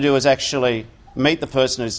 di dalam keadaan yang sama akses berdasarkan diagnosis